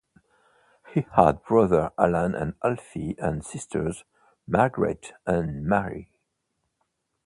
He had brothers Alan and Alfie and sisters Margaret and Mary.